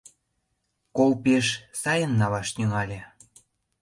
Кол пеш сайын налаш тӱҥале.